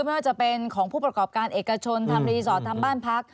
ไม่ว่าจะเป็นของผู้ประกอบการเอกชนทำรีสอร์ททำบ้านพัก